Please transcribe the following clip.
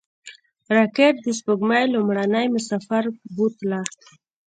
راکټ د سپوږمۍ لومړنی مسافر بوتله